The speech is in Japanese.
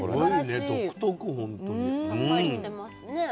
さっぱりしてますね。